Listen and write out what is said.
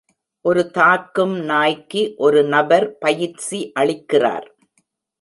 ஒரு தாக்கும் நாய்க்கு ஒரு நபர் பயிற்சி அளிக்கிறார்